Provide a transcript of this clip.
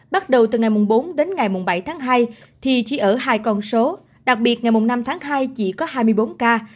bắt đầu từ ngày bốn đến ngày bảy tháng hai thì chỉ ở hai con số đặc biệt ngày năm tháng hai chỉ có hai mươi bốn ca